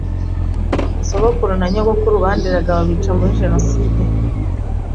sogokuru na nyogokuru banderaga babica muri Jenoside.